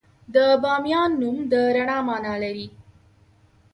د بامیان نوم د رڼا مانا لري